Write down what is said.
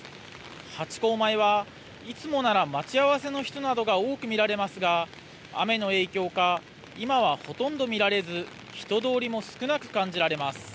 ハチ公前はいつもなら待ち合わせの人などが多く見られますが雨の影響か今はほとんど見られず人通りも少なく感じられます。